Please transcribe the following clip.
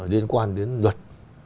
liên quan đến luật